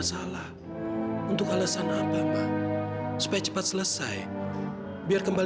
selamat sore pak